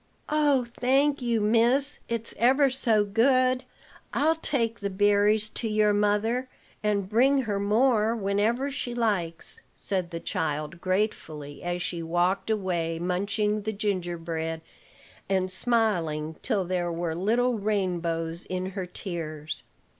"Oh, thank you, miss! It's ever so good. I'll take the berries to your mother, and bring her more whenever she likes," said the child gratefully, as she walked away munching the gingerbread, and smiling till there were little rainbows in her tears.